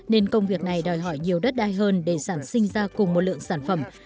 nên công việc này đòi hỏi nhiều đất đai hơn để sản sinh ra cùng một lượng sản phẩm